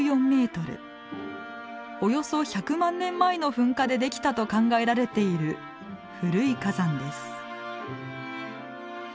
およそ１００万年前の噴火でできたと考えられている古い火山です。